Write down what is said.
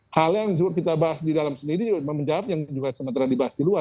hal yang kita bahas di dalam sendiri juga menjawab yang juga sementara dibahas di luar